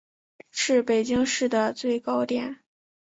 是北京市的最高点。